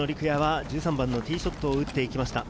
星野陸也は１３番のティーショットを打っていきました。